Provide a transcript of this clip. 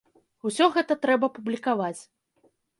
Усё гэта трэба публікаваць.